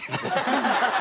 ハハハハ！